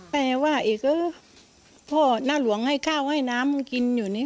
แปลว่าเอกเออพ่อหน้าหลวงให้ข้าวให้น้ำกินอยู่นี่